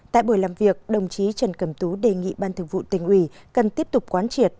tại buổi làm việc đồng chí trần cẩm tú đề nghị ban thường vụ tỉnh ủy cần tiếp tục quán triệt